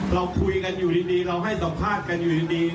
เราคุยกันอยู่ดีเราให้สัมภาษณ์กันอยู่ดี